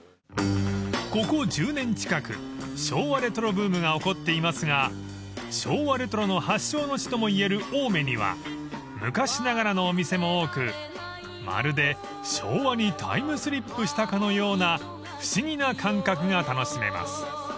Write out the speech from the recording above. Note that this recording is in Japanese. ［ここ１０年近く昭和レトロブームが起こっていますが昭和レトロの発祥の地ともいえる青梅には昔ながらのお店も多くまるで昭和にタイムスリップしたかのような不思議な感覚が楽しめます］